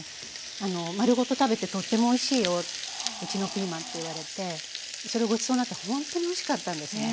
「丸ごと食べてとってもおいしいようちのピーマン」って言われてそれごちそうになってほんとにおいしかったんですね。